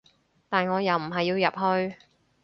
但我又唔係要入去